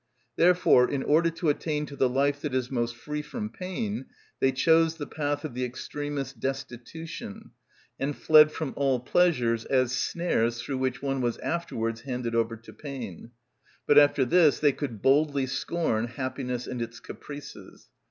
Therefore, in order to attain to the life that is most free from pain, they chose the path of the extremest destitution, and fled from all pleasures as snares through which one was afterwards handed over to pain. But after this they could boldly scorn happiness and its caprices.